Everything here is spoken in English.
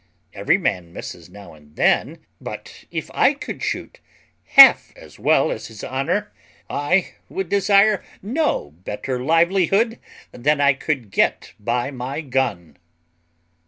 Every man misses now and then; but if I could shoot half as well as his honour, I would desire no better livelihood than I could get by my gun."